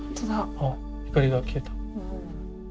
あっ光が消えた。